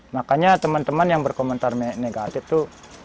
makanya teman teman yang berkomentar negatif itu